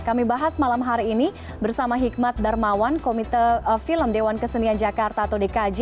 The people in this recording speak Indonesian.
kami bahas malam hari ini bersama hikmat darmawan komite film dewan kesenian jakarta atau dkj